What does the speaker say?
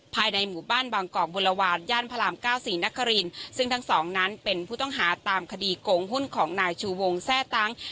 ภายในหมู่บ้านบางกอกบุรวาลย่านพระรามเก้าศรีนครินซึ่งทั้งสองนั้นเป็นผู้ต้องหาตามคดีโกงหุ้นของนายชูวงแทร่ตั้ง